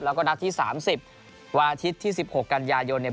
แล้วก็นัดที่๓๐วันอาทิตย์ที่๑๖กันยายนเนี่ย